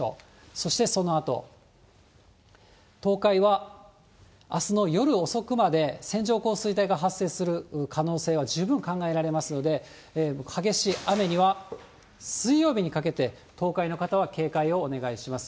そして、そのあと、東海はあすの夜遅くまで線状降水帯が発生する可能性は十分考えられますので、激しい雨には、水曜日にかけて、東海の方は警戒をお願いします。